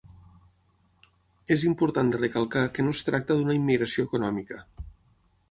És important de recalcar que no es tracta d’una immigració econòmica.